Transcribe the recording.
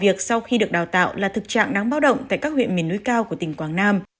việc sau khi được đào tạo là thực trạng đáng báo động tại các huyện miền núi cao của tỉnh quảng nam